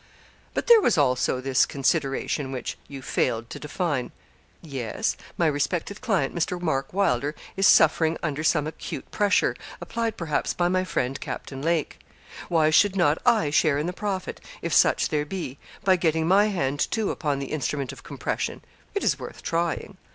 But there was also this consideration, which you failed to define. 'Yes; my respected client, Mr. Mark Wylder, is suffering under some acute pressure, applied perhaps by my friend Captain Lake. Why should not I share in the profit if such there be by getting my hand too upon the instrument of compression? It is worth trying.